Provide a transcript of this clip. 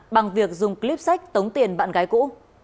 bằng việc dùng clip sách tống tiền bạn gái cũ